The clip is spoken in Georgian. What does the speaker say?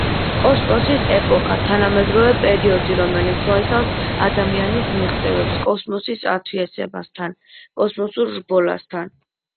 კოსმოსის ეპოქა — თანამედროვე პერიოდი, რომელიც მოიცავს ადამიანის მიღწევებს კოსმოსის ათვისებასთან, კოსმოსურ რბოლასთან.